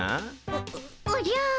おおじゃ。